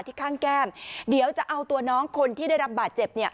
ข้างแก้มเดี๋ยวจะเอาตัวน้องคนที่ได้รับบาดเจ็บเนี่ย